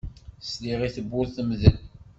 Sliɣ i tewwurt temdel.